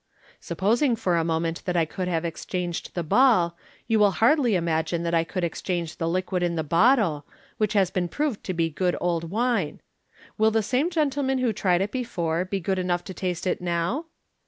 Supposing for a moment that I could have f3* MODERN MA GIC. exchanged the ball, you will hardly imagine that I could exchange the liquid in the bottle, which has been proved to be good old wine. Will the same gentleman who tried it before be good enough to taste it now